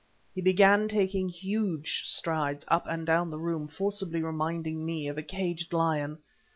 He began taking huge strides up and down the room, forcibly reminding me of a caged lion.